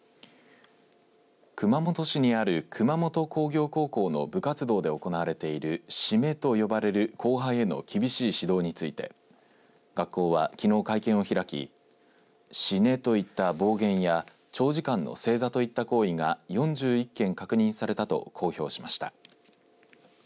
熊本市にある熊本工業高校の部活動で行われているシメと呼ばれる後輩への厳しい指導について学校は、きのう会見を開き死ねといった暴言や長時間の正座といった行為が４１件確認されたと公表しました。